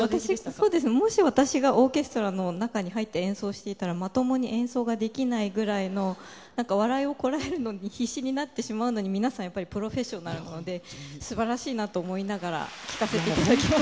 もし私がオーケストラの中に入って演奏していたら、まともに演奏ができないぐらいの笑いをこらえるのに必死になってしまうのに、皆さんプロフェッショナルなので素晴らしいなと思いながら聴かせていただきました。